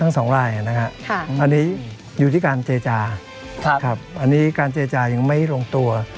อันนี้อยู่ที่การเจจาค่ะอันนี้การเจจายังไม่ลงตัว